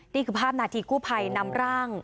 นี่คือภาพนาทีกู้ภัยนำร่าง